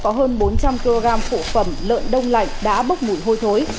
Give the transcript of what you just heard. có hơn bốn trăm linh kg phụ phẩm lợn đông lạnh đã bốc mùi hôi thối